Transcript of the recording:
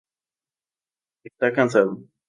Está casado.